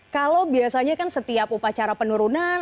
kalau biasanya kan setiap upacara penurunan